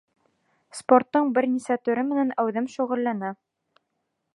Спорттың бер нисә төрө менән әүҙем шөғөлләнә.